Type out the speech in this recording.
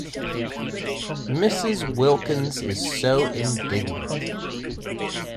Mrs. Wilkins is so indignant.